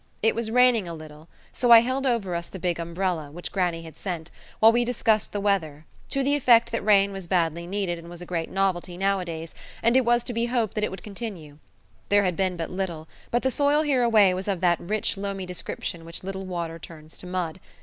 It was raining a little, so I held over us the big umbrella, which grannie had sent, while we discussed the weather, to the effect that rain was badly needed and was a great novelty nowadays, and it was to be hoped it would continue. There had been but little, but the soil here away was of that rich loamy description which little water turns to mud.